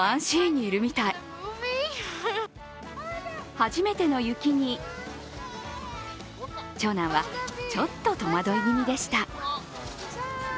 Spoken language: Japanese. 初めての雪に長男はちょっと戸惑い気味でした。